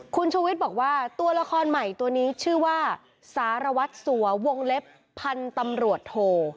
คุณชูวิทย์บอกว่าตัวละครใหม่ตัวนี้ชื่อว่าสารวัตรสัววงเล็บพันธุ์ตำรวจโท